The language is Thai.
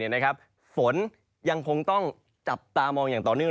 ฝนยังคงต้องจับตามองอย่างต่อเนื่อง